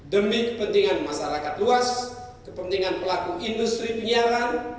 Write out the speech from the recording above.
demi kepentingan masyarakat luas kepentingan pelaku industri penyiaran